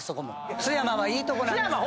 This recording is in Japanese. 津山はいいとこなんです。